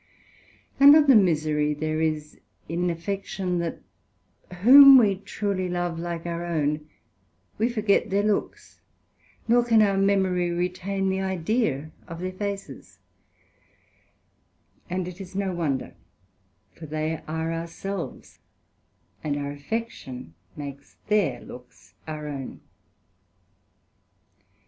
Another misery there is in affection, that whom we truly love like our own, we forget their looks, nor can our memory retain the Idea of their faces; and it is no wonder, for they are ourselves, and our affection makes their looks our own.